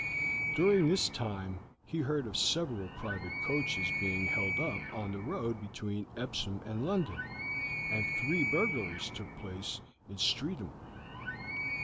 During this time he heard of several private coaches being held up on the road between Epsom and London, and three burglaries took place at Streatham.